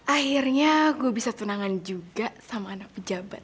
akhirnya gue bisa tunangan juga sama anak pejabat